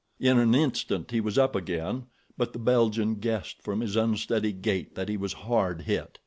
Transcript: In an instant he was up again; but the Belgian guessed from his unsteady gait that he was hard hit.